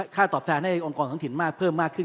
ตอบแทนให้องค์กรท้องถิ่นมากเพิ่มมากขึ้น